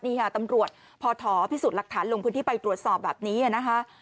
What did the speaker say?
นี่ค่ะตำรวจพอถอพิสูจน์หลักฐานลงพื้นที่ไปตรวจสอบแบบนี้นะคะ